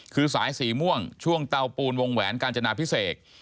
คือสายสีม่วงช่วงเตาปูนวงแหวนกาญจนาพิเศษ